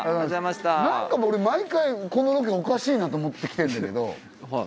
何か毎回このロケおかしいなと思ってきてんだけど。